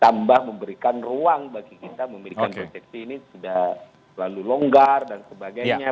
tambah memberikan ruang bagi kita memiliki konteks ini sudah selalu longgar dan sebagainya